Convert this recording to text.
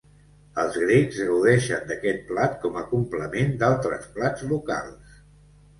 Els grecs gaudeixen d'aquest plat com a complement d'altres plats locals.